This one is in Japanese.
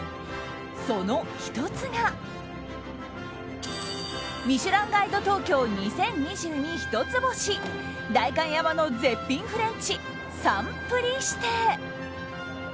その１つが「ミシュランガイド東京２０２２」一つ星代官山の絶品フレンチサンプリシテ。